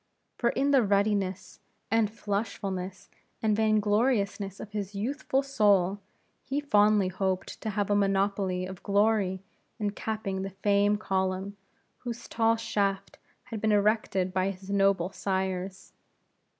For in the ruddiness, and flushfulness, and vain gloriousness of his youthful soul, he fondly hoped to have a monopoly of glory in capping the fame column, whose tall shaft had been erected by his noble sires.